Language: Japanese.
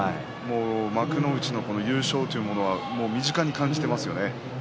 幕内の優勝というものを身近に感じていますよね。